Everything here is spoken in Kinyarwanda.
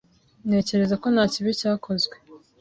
Ntekereza ko nta kibi cyakozwe